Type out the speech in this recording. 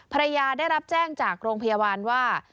ได้รับแจ้งจากโรงพยาบาลว่า